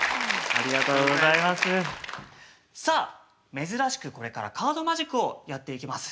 さあ珍しくこれからカードマジックをやっていきます。